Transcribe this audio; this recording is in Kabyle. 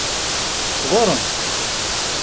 Ɣur-em!